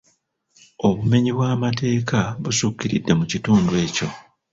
Obumenyi bw’amateeka busukkiridde mu kitundu ekyo.